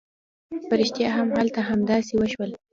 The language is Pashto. په رښتيا هم هلته همداسې وشول.